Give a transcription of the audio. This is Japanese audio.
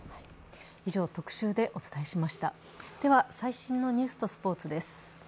では最新のニュースとスポーツです。